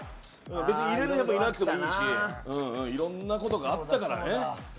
別に入れ込めなくてもいいしいろんなことあったからね。